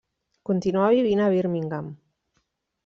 Continua vivint a Birmingham.